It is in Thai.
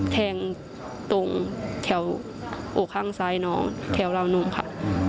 แทงตรงแถวอกข้างซ้ายน้องแถวราวนมค่ะ